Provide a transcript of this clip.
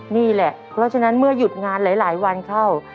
นี่แหละเพราะฉะนั้นเมื่อหยุดงานหลายวันเข้า